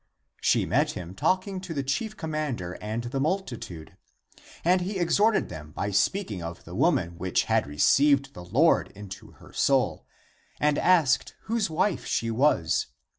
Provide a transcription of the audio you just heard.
She met him talking to the chief commander and the multitude. And he exhorted them by speaking of the woman which had received the Lord into her soul, and asked whose wife she was.